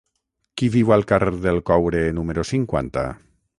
Qui viu al carrer del Coure número cinquanta?